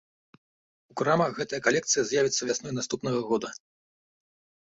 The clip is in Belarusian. У крамах гэтая калекцыя з'явіцца вясной наступнага года.